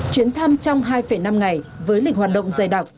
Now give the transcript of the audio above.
chuyến thăm trong hai năm ngày với lịch hoạt động dày đặc